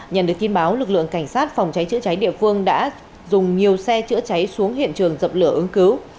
nhận được tin báo lực lượng cảnh sát phòng cháy chữa cháy địa phương đã dùng nhiều xe chữa cháy xuống hiện trường dập lửa ứng cứu